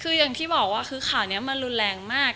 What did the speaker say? คืออย่างที่บอกว่าค่ะค่ะข่าวเนี่ยมันรุนแรงมากกับ